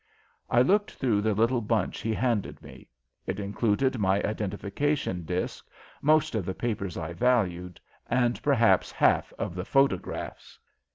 I looked through the little bunch he handed me. It included my identification disk, most of the papers I valued, and perhaps half of the photographs.